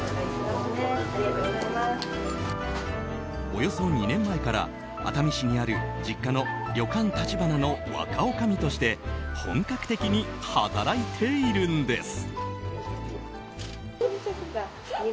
およそ２年前から熱海市にある実家の旅館立花の若おかみとして本格的に働いているんです。